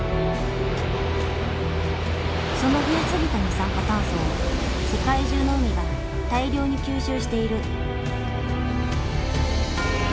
その増えすぎた二酸化炭素を世界中の海が大量に吸収している。